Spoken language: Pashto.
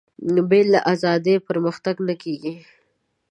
بې له ازادي پرمختګ نه کېږي.